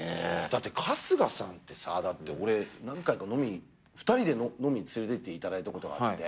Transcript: だって春日さんってさ俺何回か２人で飲みに連れてってもらったことがあって。